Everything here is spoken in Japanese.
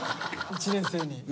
１年生に。